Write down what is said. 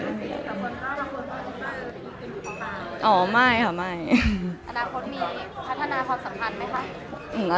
อนาคตมีพัฒนาผ่านสำคัญไหมคะ